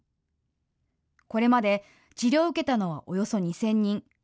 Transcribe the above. これまで治療を受けたのはおよそ２０００人。